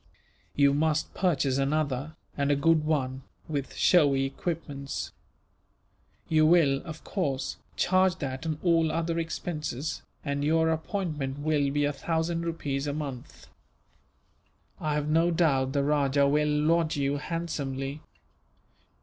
"You must purchase another, and a good one, with showy equipments. You will, of course, charge that and all other expenses, and your appointment will be a thousand rupees a month. I have no doubt the rajah will lodge you handsomely.